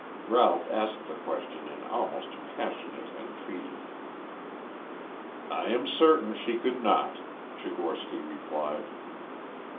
Ralph asked the question in almost passionate entreaty. "I am certain she could not," Tchigorsky replied.